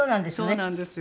そうなんですよ。